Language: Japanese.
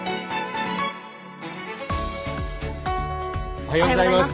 おはようございます。